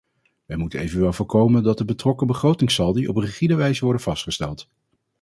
Wij moeten evenwel voorkomen dat de betrokken begrotingssaldi op rigide wijze worden vastgesteld.